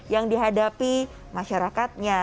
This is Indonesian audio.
yang dihadapi masyarakatnya